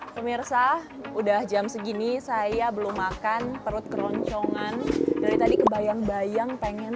pemirsa udah jam segini saya belum makan perut keroncongan dari tadi kebayang bayang pengen